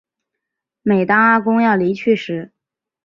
每当阿公要离去时